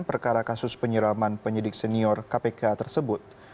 perkara kasus penyeraman penyidik senior kpk tersebut